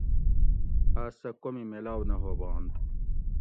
آس سہ کومی میلاؤ نہ ھوبانت